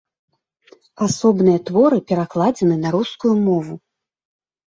Асобныя творы перакладзены на рускую мову.